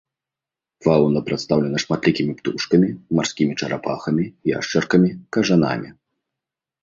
Фаўна прадстаўлена шматлікімі птушкамі, марскімі чарапахамі, яшчаркамі, кажанамі.